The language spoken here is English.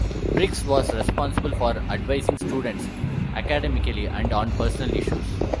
Briggs was responsible for advising students academically, and on personal issues.